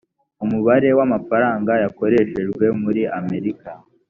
umubare w amafaranga yakoreshejwe muri amerika